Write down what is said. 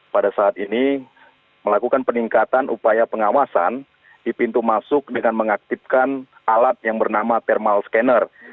pada saat ini melakukan peningkatan upaya pengawasan di pintu masuk dengan mengaktifkan alat yang bernama thermal scanner